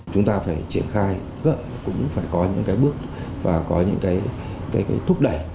chúng ta phải triển khai cũng phải có những bước và có những thúc đẩy